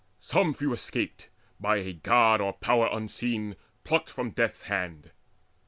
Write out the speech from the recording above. Some few escaped, by a God or Power unseen Plucked from death's hand.